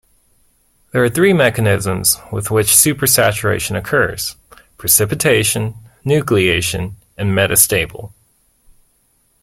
There are three mechanisms with which supersaturation occurs: precipitation, nucleation, and metastable.